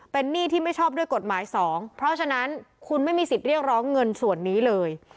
เป็นหนี้ที่ไม่ชอบด้วยกฎหมาย๒เพราะฉะนั้นคุณไม่มีสิทธิ์เรียกร้องเงินส่วนนี้เลย